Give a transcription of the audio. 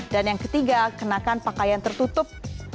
dan yang ketiga kenakan pakaian tertutup